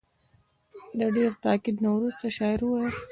د ډېر تاکید نه وروسته شاعر وویل.